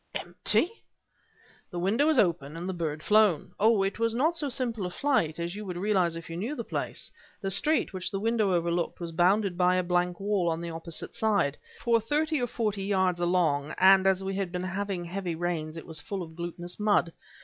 "Empty!" "The window was open, and the bird flown! Oh! it was not so simple a flight as you would realize if you knew the place. The street, which the window overlooked, was bounded by a blank wall, on the opposite side, for thirty or forty yards along; and as we had been having heavy rains, it was full of glutinous mud.